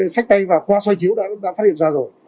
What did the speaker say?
sách tay và qua xoay chiếu đã phát hiện ra rồi